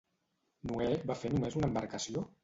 Noè va fer només una embarcació?